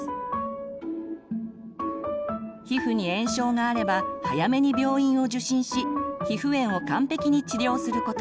皮膚に炎症があれば早めに病院を受診し皮膚炎を完璧に治療すること。